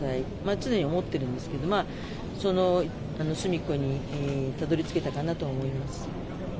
常に思っているんですけど、その隅っこにたどり着けたかなと思います。